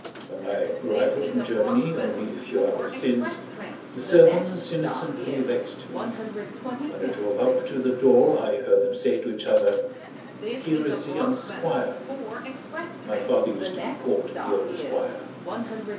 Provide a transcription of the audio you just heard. On my arrival from Germany, only a few hours since, the servants innocently vexed me. When I drove up to the door, I heard them say to each other: "Here is the young Squire." My father used to be called "the old Squire."